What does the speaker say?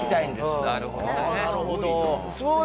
なるほどね。